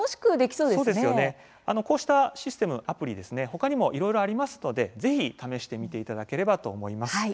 そうですよねこうしたシステムやアプリとかいろいろありますのでぜひ試していただければと思います。